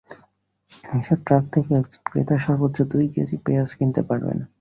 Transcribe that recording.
এসব ট্রাক থেকে একজন ক্রেতা সর্বোচ্চ দুই কেজি পেঁয়াজ কিনতে পারবেন।